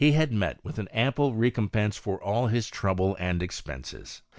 21 had met with an ample recompence for all his trouble and expenses.